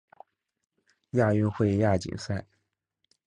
亚运会亚锦赛